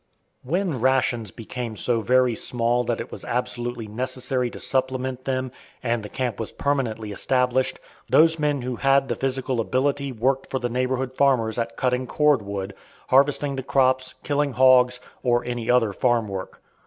When rations became so very small that it was absolutely necessary to supplement them, and the camp was permanently established, those men who had the physical ability worked for the neighborhood farmers at cutting cord wood, harvesting the crops, killing hogs, or any other farm work.